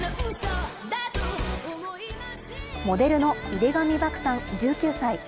モデルの井手上漠さん、１９歳。